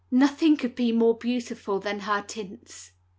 Nothing could be more beautiful than her tints.